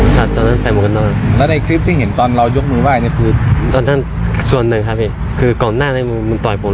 ครับผมยังขอโทษครับเพราะว่าสถานที่ผมก็ไม่ได้ผิดเลยครับ